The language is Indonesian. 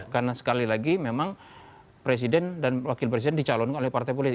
karena sekali lagi memang presiden dan wakil presiden dicalon oleh partai politik